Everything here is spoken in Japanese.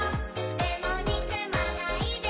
「でも、にくまないで！